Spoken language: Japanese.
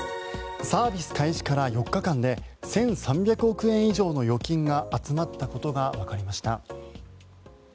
サービス開始から４日間で１３００億円以上の預金が集まったことがわかりました。